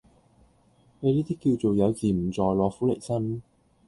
你呢啲叫做「有自唔在，攞苦嚟辛」